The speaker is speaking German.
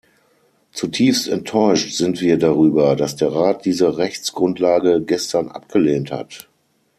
Zutiefst enttäuscht sind wir darüber, dass der Rat diese Rechtsgrundlage gestern abgelehnt hat.